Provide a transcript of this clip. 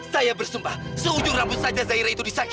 saya bersumpah seujur rambut saja zahira itu disakiti